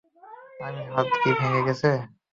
আমার হাত কি ভেঙ্গে গেছে?